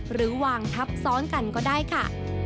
หรือวางทับซ้อนกันก็ได้ค่ะ